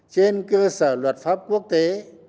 trên cơ sở luật pháp quốc tế